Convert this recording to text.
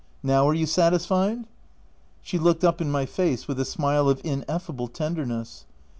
— Now are you satisfied ?" She looked up in my face with a smile of ineffable tenderness.